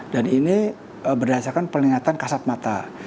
dan ini berdasarkan peningatan kasat mata